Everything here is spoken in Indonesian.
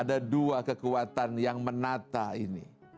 ada dua kekuatan yang menata ini